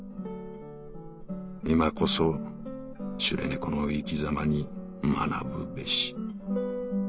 いまこそシュレ猫の生き様に学ぶべし。